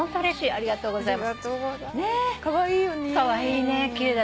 ありがとうございます。